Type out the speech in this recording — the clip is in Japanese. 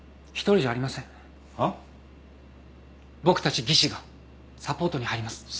僕たち技師がサポートに入ります。